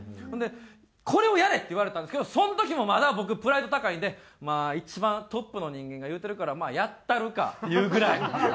ほんで「これをやれ」って言われたんですけどその時もまだ僕プライド高いんでまあ一番トップの人間が言うてるからまあやったるかっていうぐらい。